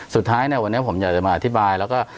สุดท้ายเนี่ยวันนี้ผมอยากจะมาอธิบายแล้วก็